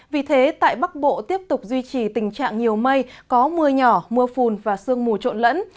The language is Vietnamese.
vì thế tại bắc bộ tiếp tục duy trì tình trạng nhiều mây có mưa nhỏ mưa phùn và sương mù trộn lẫn